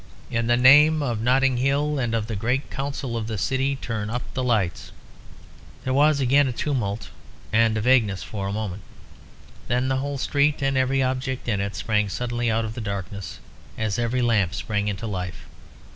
"In the name of Notting Hill and of the great Council of the City, turn up the lights." There was again a tumult and a vagueness for a moment, then the whole street and every object in it sprang suddenly out of the darkness, as every lamp sprang into life.